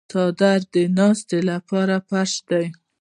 څادر د ناستې لپاره فرش دی.